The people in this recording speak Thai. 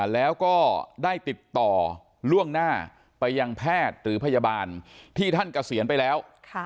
แล้วก็ได้ติดต่อล่วงหน้าไปยังแพทย์หรือพยาบาลที่ท่านเกษียณไปแล้ว